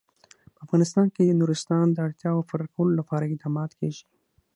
په افغانستان کې د نورستان د اړتیاوو پوره کولو لپاره اقدامات کېږي.